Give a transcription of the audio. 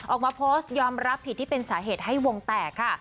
ออกมาโพสต์ยอมรับผิดที่เป็นสาเหตุให้วงแตกค่ะ